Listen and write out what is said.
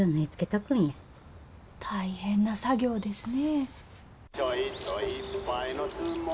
大変な作業ですねえ。